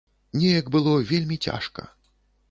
Неяк было вельмі цяжка.